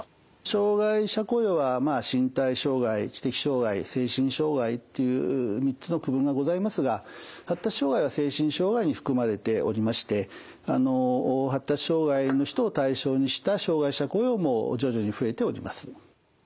障害者雇用は身体障害知的障害精神障害という３つの区分がございますが発達障害は精神障害に含まれておりまして発達障害の人を対象にした障害者雇用も徐々に増えております。